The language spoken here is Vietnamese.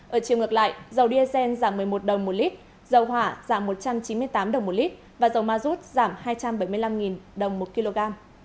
ở chiều ngược lại dầu diesel giảm một mươi một đồng một lít dầu hỏa giảm một trăm chín mươi tám đồng một lít và dầu ma rút giảm hai trăm bảy mươi năm đồng một kg